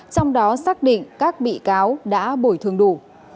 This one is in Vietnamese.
trong đó xác định các bị cáo đã bồi thường đủ